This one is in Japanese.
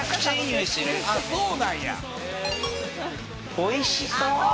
おいしそう。